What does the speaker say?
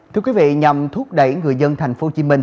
thưa quý vị nhằm thúc đẩy người dân tp hcm